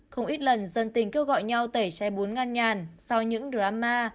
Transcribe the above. không ít lần dân tình kêu gọi nhau tẩy chai bún nga nhản sau những drama